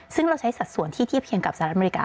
ซึ่งเราใช้สัดส่วนที่เทียบเคียงกับสหรัฐอเมริกา